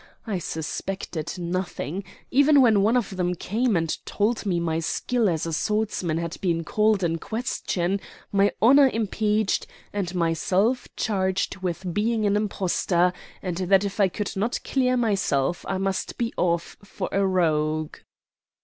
I suspected nothing; even when one of them came and told me my skill as a swordsman had been called in question, my honor impeached, and myself charged with being an impostor, and that if I could not clear myself I must be off for a rogue."